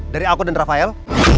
dari aku dan rafael